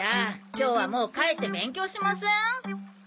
今日はもう帰って勉強しません？